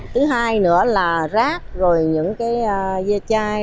thứ hai nữa là rác rồi những dây chai